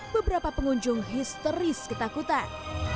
beberapa pengunjung histeris ketakutan